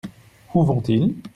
Où vont-ils ?